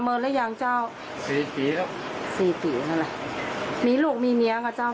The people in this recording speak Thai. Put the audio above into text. เลิกได้กี่ปีแล้วเจ้า